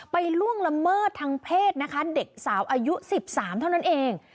ล่วงละเมิดทางเพศนะคะเด็กสาวอายุ๑๓เท่านั้นเอง